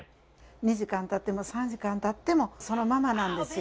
２時間経っても３時間経ってもそのままなんですよ。